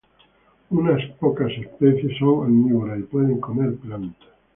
Unas pocas especies son omnívoras y pueden comer plantas.